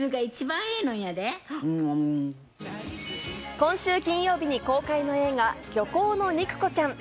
今週金曜日に公開の映画『漁港の肉子ちゃん』。